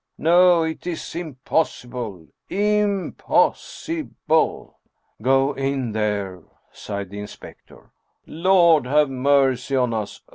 No ! It is impossible ! Im poss i ble !"" Go in there !" sighed the inspector. " Lord, have mercy on us